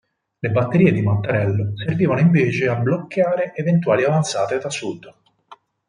Le batterie di Mattarello servivano invece a bloccare eventuali avanzate da sud.